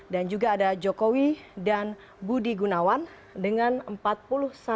dan juga ada jokowi dengan tito kalina sebagiannya sebagiannya sama klub klub lain